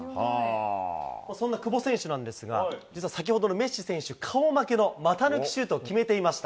そんな久保選手なんですが、実は先ほどのメッシ選手顔負けの股抜きシュートを決めていました。